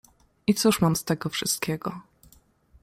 "I cóż mam z tego wszystkiego?"